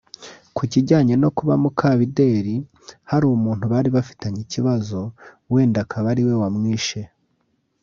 Ku kijyanye no kuba Mukabideri hari umuntu bari bafitanye ikibazo wenda akaba ariwe wamwishe